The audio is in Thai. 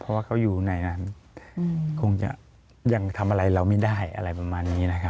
เพราะว่าเขาอยู่ในนั้นคงจะยังทำอะไรเราไม่ได้อะไรประมาณนี้นะครับ